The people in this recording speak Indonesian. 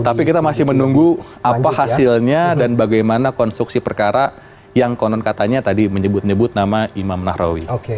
tapi kita masih menunggu apa hasilnya dan bagaimana konstruksi perkara yang konon katanya tadi menyebut nyebut nama imam nahrawi